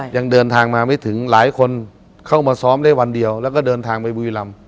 ยังเดินทางมาไม่ถึงหลายคนเข้ามาซ้อมได้วันเดียวแล้วก็เดินทางไปบุรีรำ